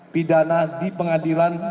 pidana di pengadilan